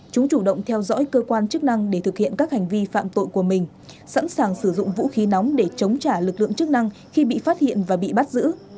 chúng chủ động theo dõi cơ quan chức năng để thực hiện các hành vi phạm tội của mình sẵn sàng sử dụng vũ khí nóng để chống trả lực lượng chức năng khi bị phát hiện và bị bắt giữ